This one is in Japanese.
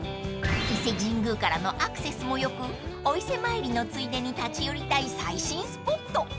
［伊勢神宮からのアクセスも良くお伊勢参りのついでに立ち寄りたい最新スポット］